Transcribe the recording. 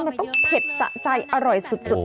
มันต้องเผ็ดสะใจอร่อยสุด